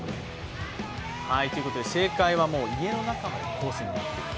ということで正解はもう家の中までコースになっていると。